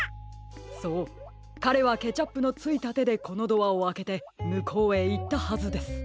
そうかれはケチャップのついたてでこのドアをあけてむこうへいったはずです。